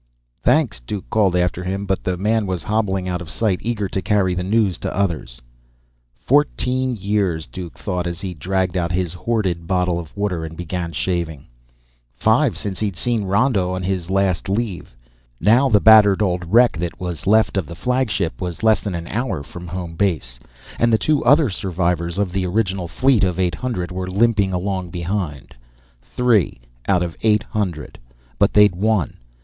"Thanks," Duke called after him, but the man was hobbling out of sight, eager to carry the good news to others. Fourteen years, Duke thought as he dragged out his hoarded bottle of water and began shaving. Five since he'd seen Ronda on his last leave. Now the battered old wreck that was left of the flagship was less than an hour from home base, and the two other survivors of the original fleet of eight hundred were limping along behind. Three out of eight hundred but they'd won!